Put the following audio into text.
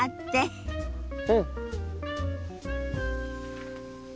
うん！